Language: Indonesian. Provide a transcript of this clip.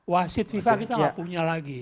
wasit fifa kita nggak punya lagi